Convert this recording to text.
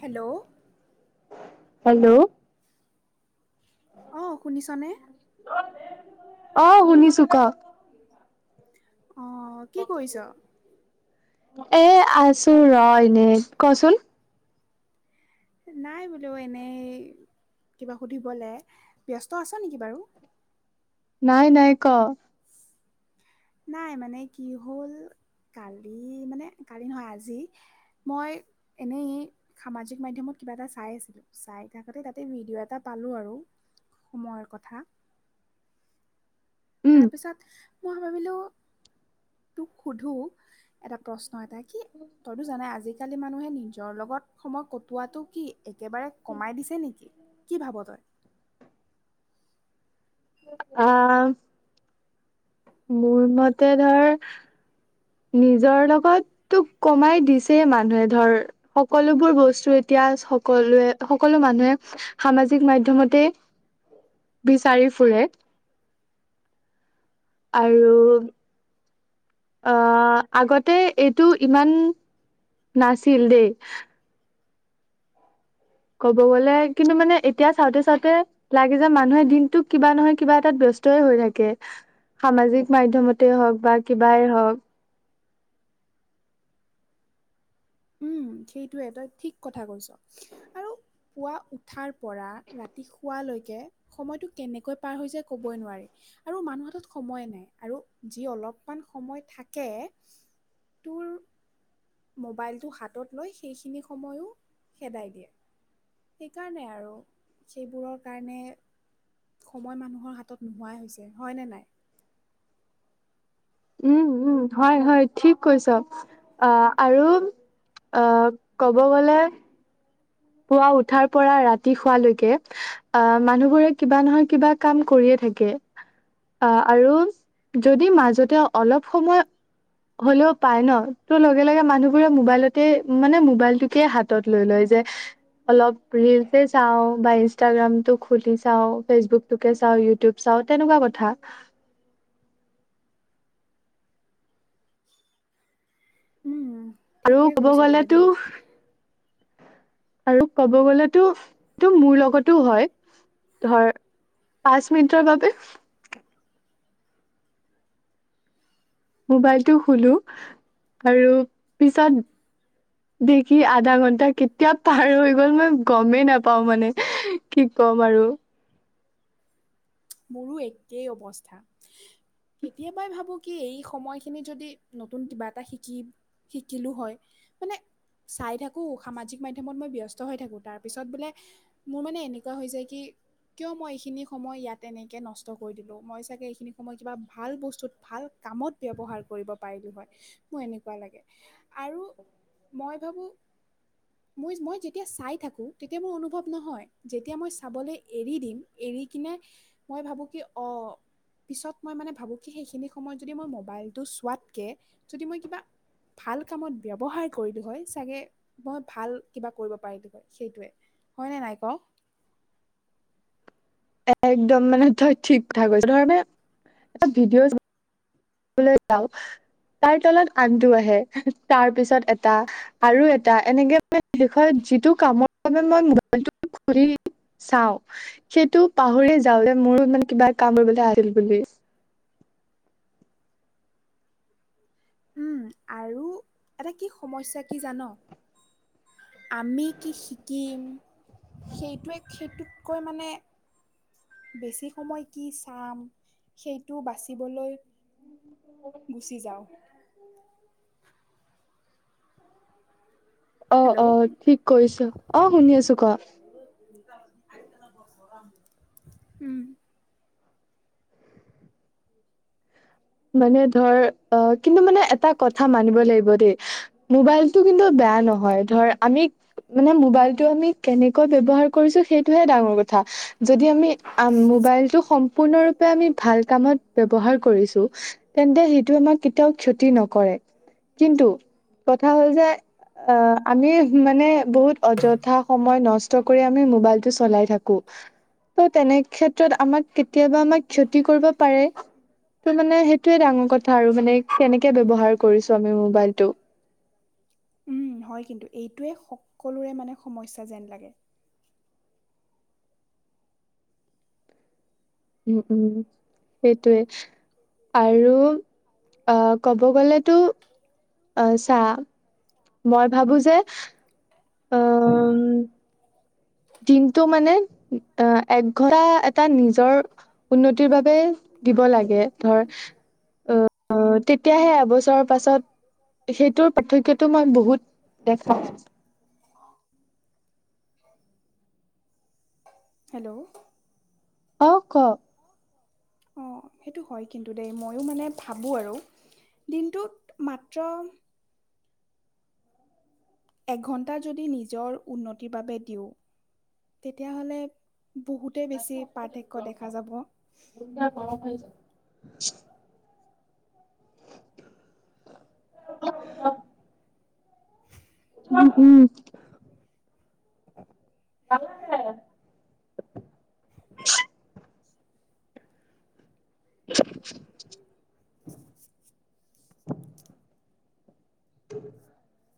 Hello hello অ শুনিছনে? আহ শুনিছোঁ ক অ কি কৰিছ? এ আছো ৰহ এনে কচোন। নাই বোলো এনেই কিবা সুধিবলৈ ব্যস্ত আছ নেকি বাৰু নাই নাই ক নাই মানে কি হ'ল কালি মানে কালি নহয় আজি মই এনেই সামাজিক মাধ্যমত কিবা এটা চাই আছিলো, চাই থাকোতে তাতে ভিডিঅ' এটা পালোঁ আৰু সময়ৰ কথা [unintelligible] উম তাৰপিছত মই ভাবিলোঁ তোক সোধো এটা প্ৰশ্ন এটা কি তইতো জান আজিকালি মানুহে নিজৰ লগত সময় কটোৱাটো কি একেবাৰে কমাই দিছে নেকি কি ভাব তই? আহ মোৰ মতে ধৰ নিজৰ লগতো কমাই দিছেই মানুহে ধৰ সকলোবোৰ বস্তু এতিয়া সকলোৱে সকলো মানুহে সামাজিক মাধ্যমতে বিচাৰি ফুৰে আৰু আহ আগতে এইটো ইমান নাছিল দেই ক'ব গ'লে কিন্তু মানে এতিয়া চাওঁতে চাওঁতে লাগে যে মানুহে দিনতো কিবা নহয় কিবা এটাত ব্যস্ত ব্যস্ত হৈ থাকে সামাজিক মাধ্যমত হওক বা কিবাই হওক। উম সেইটোৱে তই ঠিক কথা কৈছ আৰু পুৱা উঠাৰ পৰা ৰাতি শোৱালৈকে সময়টো কেনেকৈ পাৰ যায় ক'বই নোৱাৰি। আৰু মানুহ হাতত সময়ে নাই আৰু যি অলপমান সময় থাকে তুৰ মোবাইলটো হাতত লৈ সেইখিনি সময়ো খেদাই দিয়ে। সেইকাৰণে আৰু। সেইবোৰৰ কাৰণে সময় মানুহৰ হাতত নোহোৱা হৈছে। হয়নে নাই? উম উম হয় হয় ঠিক কৈছ। আহ আৰু আহ ক'ব গলে পুৱা উঠাৰ পৰা ৰাতি শুৱালৈকে। অ মানুহবোৰে কিবা নহয় কিবা কাম কৰিয়ে থাকে। থাকে। আহ আৰু যদি মাজতে অলপ সময় হ'লেও পাই ন তো লগে লগে মানুহবোৰে মোবাইলতে মানে মোবাইলটোকে হাতত লৈ লয়। যে অলপ ৰিলছে চাওঁ বা ইনষ্টাগ্ৰামটো খুলি চাওঁ, ফেচবুকটোকে চাওঁ ইউটিউব চাওঁ তেনেকুৱা কথা [unintelligible] উম। আৰু ঠিকেই ক'ব কৈছ তই গলেতো দেই আৰু ক'ব গ'লেতো। এইটো মোৰ লগতো হয়।। ধৰ পাঁচ মিনিটৰ বাবে। মোবাইলটো খোলো আৰু পিছত দেখি আধা ঘন্টা কেতিয়া পাৰ হৈ গ'ল মই গমেই নাপাও মানে। কি ক'ম আৰু। মোৰো একেই অৱস্থা। কেতিয়াবা ভাবো কি এই সময়খিনি যদি নতুন কিবা এটা শিকিম শিকিলো হয়। মানে চাই থাকোঁ সামাজিক মাধ্যমত মই ব্যস্ত হৈ থাকোঁ। তাৰপিছত বোলে মোৰ মানে এনেকুৱা হৈ যায় কি কিয় মই এইখিনি সময় ইয়াত তেনেকে নষ্ট কৰি দিলো। মই চাগে এইখিনি সময় কিবা ভাল বস্তুত, ভাল কামত ব্যৱহাৰ কৰিব পাৰিম। মোৰ এনেকুৱা লাগে আৰু মই ভাবো মই যেতিয়া চাই থাকো তেতিয়া মোৰ অনুভৱ নহয় যেতিয়া মই চাবলৈ এৰি দিম এৰি কিনে মই ভাবো কি অ পিছত মই মানে ভাবোঁ কি সেইখিনি সময়ত যদি মই মোবাইলটো চোৱাতকে যদি মই কিবা ভাল কামত ব্যৱহাৰ কৰিলো হয় চাগে মই ভাল কিবা কৰিব পাৰিলো হয় সেইটোৱে। হয় নে নাই ক? একদম মানে তই ঠিক কথা কৈছ। এইধৰনে মানে এটা ভিডিঅ বোলে চাওঁ তাৰ তলত আনটো আহে তাৰ পিছত এটা আৰু এটা এনেকে মানে শেষত যিটো কামৰ বাবে মই মবাইলটো ঘুৰি চাওঁ সেইটো পাহৰিয়ে যাওঁ। মোৰো মানে কিবা কাম কৰিবলৈ আহিল বুলি। উম। আৰু এটা কি সমস্যা কি জান? আমি কি শিকিম সেইটোৱে সেইটোতকৈ মানে বেছি সময় কি চাম সেইটো বাচিবলৈ গুচি যাওঁ। অ হেল্ল' অ ঠিক কৰিছ। অ শুনি আছো কোৱা? উম। মানে ধৰ অ কিন্তু মানে এটা কথা মানিব লাগিব দেই মোবাইল কিন্তু বেয়া নহয়। ধৰ আমি মানে মবাইল আমি কেনেকৈ ব্যৱহাৰ কৰিছোঁ সেইটোহে ডাঙৰ কথা। যদিহে আমি আম মোবাইল টো সম্পূৰ্ণৰূপে আমি ভাল কামত ব্যৱহাৰ কৰিছো। তেন্তে সেইটো আমাক কেতিয়াও ক্ষতি নকৰে। কিন্তু কথা হ'ল যে অ আমি মানে বহুত অযথা সময় নষ্ট কৰি আমি মোবাইলটো চলাই থাকো তেনে য'ত আমাক কেতিয়াবা আমাক ক্ষতি কৰিব পাৰে টো মানে সেইটোয়ে ডাঙৰ কথা আৰু মানে কেনেকে ব্যৱহাৰ কৰিছো আমি মোবাইলটো উম হয় কিন্তু এইটোৱে সকলোৰে মানে সমস্যা যেন লাগে উম উম সেইটোৱে আৰু আহ ক'ব গলেতো আহ চা মই ভাবো যে আহ দিনটো মানে আহ এঘন্টা এটা নিজৰ উন্নতিৰ বাবে দিব লাগে ধৰ অ তেতিয়াহে এবছৰ পাছত সেইটোৰ পাৰ্থক্যটো মই বহুত দেখা আছো। হেল্ল', অক অ সেইটো হয় কিন্তু দেই মইও মানে ভাবো আৰু দিনটোত মাত্ৰ এঘন্টা যদি নিজৰ উন্নতিৰ বাবে দিওঁ তেতিয়া হ'লে বহুতে বেছি পাৰ্থক্য দেখা যাব। [inaudible] [unintelligible] উম উম [inaudible] [inaudible] উম